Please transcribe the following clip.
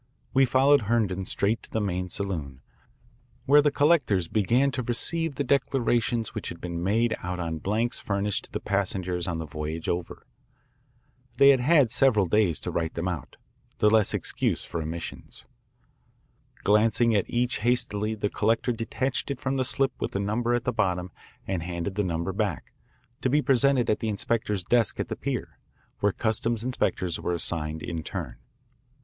We followed Herndon straight to the main saloon, where the collectors began to receive the declarations which had been made out on blanks furnished to the passengers on the voyage over. They had had several days to write them out the less excuse for omissions. Glancing at each hastily the collector detached from it the slip with the number at the bottom and handed the number back, to be presented at the inspector's desk at the pier, where customs inspectors were assigned in turn.